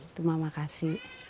itu mama kasih